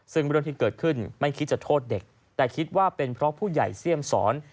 ซึ่งเรื่องที่เกิดขึ้นไม่คิดจะโทษเด็กแต่คิดว่าเป็นเพราะผู้ใหญ่เสี่ยมสอน